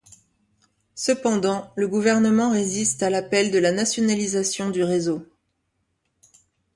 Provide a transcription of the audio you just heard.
Cependant, le gouvernement résiste à l'appel de la nationalisation du réseau.